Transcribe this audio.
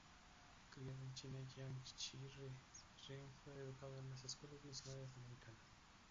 Criado en China, Jiang Xi Ren fue educado en las escuelas misioneras americanas.